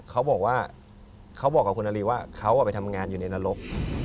เขาบอกว่าเขาบอกกับคุณนารีว่าเขาไปทำงานอยู่ในนรก